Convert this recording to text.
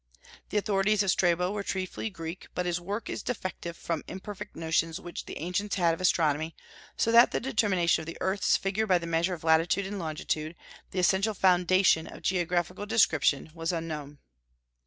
The authorities of Strabo were chiefly Greek, but his work is defective from the imperfect notions which the ancients had of astronomy; so that the determination of the earth's figure by the measure of latitude and longitude, the essential foundation of geographical description, was unknown.